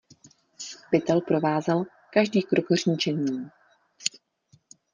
Pytel provázel každý krok řinčením.